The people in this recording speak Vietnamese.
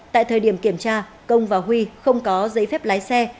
tại thời điểm kiểm tra công và huy không có giấy phép lái xe